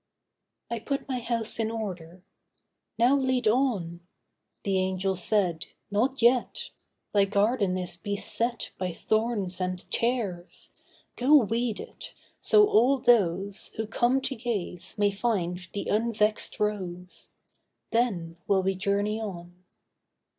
I put my house in order. 'Now lead on!' The Angel said, 'Not yet; Thy garden is beset By thorns and tares; go weed it, so all those Who come to gaze may find the unvexed rose; Then will we journey on.